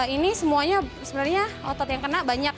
ini semuanya sebenarnya otot yang kena banyak